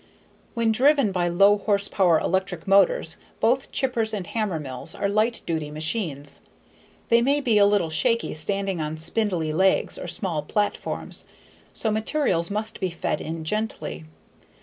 When driven by low horsepower electric motors, both chippers and hammermills are light duty machines. They may be a little shaky, standing on spindly legs or small platforms, so materials must be fed in gently.